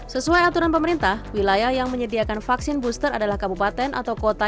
sesuai aturan pemerintah wilayah yang menyediakan vaksin booster adalah kabupaten atau kota